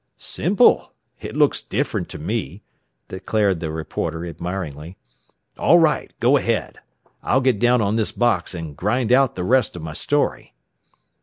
"Simple! It looks different to me," declared the reporter admiringly. "All right, go ahead. I'll get down on this box and grind out the rest of my story."